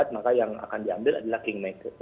maka yang akan diambil adalah kingmaker